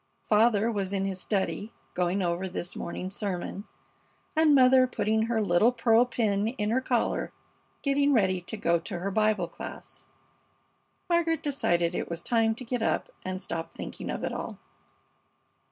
Father was in his study, going over his morning sermon, and mother putting her little pearl pin in her collar, getting ready to go to her Bible class. Margaret decided it was time to get up and stop thinking of it all.